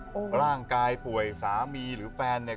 ที่สุดในชีวิตแล้วล่ะอ๋อร่างกายผ่วยสามีหรือแฟนเนี้ย